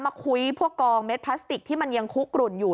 มาคุยพวกกองเม็ดพลาสติกที่มันยังคุกกลุ่นอยู่